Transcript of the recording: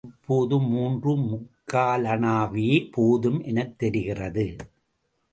இப்போது மூன்றே முக்காலணாவே போதும் எனத் தெரிகிறது.